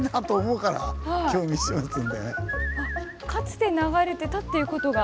かつて流れてたっていうことが？